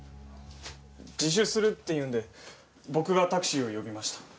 自首するって言うんで僕がタクシーを呼びました。